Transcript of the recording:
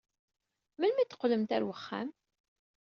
Melmi ay d-teqqlemt ɣer wexxam?